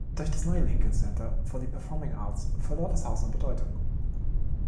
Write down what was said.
Durch das neue Lincoln Center for the Performing Arts verlor das Haus an Bedeutung.